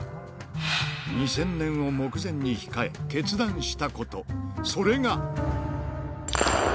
２０００年を目前に控え、決断したこと、それが。